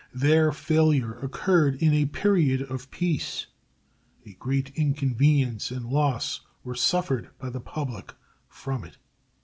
Their failure occurred in a period of peace, and great inconvenience and loss were suffered by the public from it.